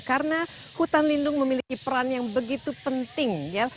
karena hutan lindung memiliki peran yang begitu penting ya